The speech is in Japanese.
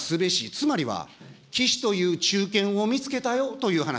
つまりは岸という忠犬を見つけたよという話。